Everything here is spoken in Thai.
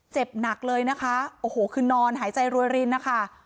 เจ็บหนักเลยนะคะโอ้โหคือนอนหายใจรวยรินนะคะ